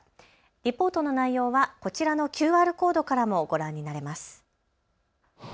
リポートの内容はこちらのＱＲコードからもご覧になれます。